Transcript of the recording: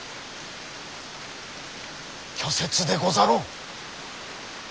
虚説でござろう？